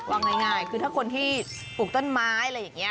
ว่าง่ายคือถ้าคนที่ปลูกต้นไม้อะไรอย่างนี้